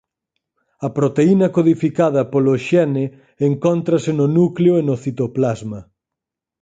A proteína codificada polo xene encóntrase no núcleo e no citoplasma.